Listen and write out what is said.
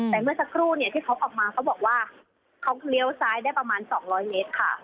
แต่เมื่อสักครู่เนี่ยที่เขาออกมาเขาบอกว่าเขาเลี้ยวซ้ายได้ประมาณ๒๐๐เมตรค่ะ